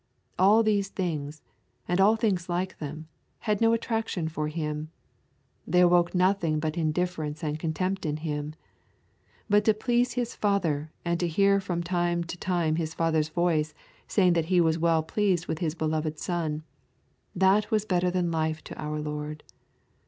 All these things, and all things like them, had no attraction for Him; they awoke nothing but indifference and contempt in him. But to please His Father and to hear from time to time His Father's voice saying that He was well pleased with His beloved Son, that was better than life to our Lord.